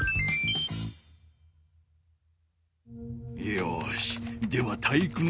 よしでは体育ノ